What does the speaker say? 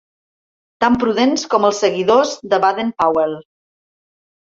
Tan prudents com els seguidors de Baden Powell.